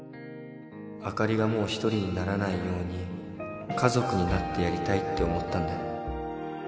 あかりがもう独りにならないように家族になってやりたいって思ったんだよ